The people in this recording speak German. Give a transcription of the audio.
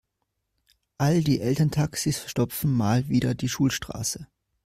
All die Elterntaxis verstopfen mal wieder die Schulstraße.